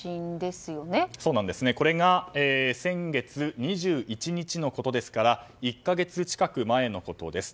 これが先月２１日のことですから１か月近く前のことです。